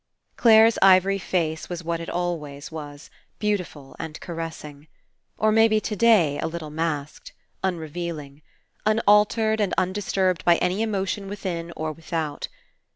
Clare's ivory face was what It always was, beautiful and caressing. Or maybe today a little masked. Unrevealing. Unaltered and un disturbed by any emotion within or without.